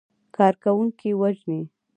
کارکوونکي وژني.